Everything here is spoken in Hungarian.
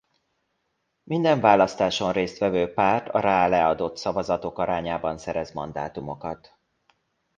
Minden választáson résztvevő párt a rá leadott szavazatok arányában szerez mandátumokat.